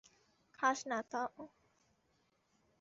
খাস না, তো?